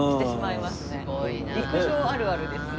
陸上あるあるですね。